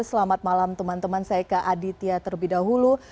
selamat malam teman teman saya ke aditya terlebih dahulu